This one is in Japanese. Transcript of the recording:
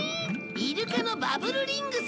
イルカのバブルリングさ！